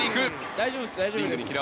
大丈夫です。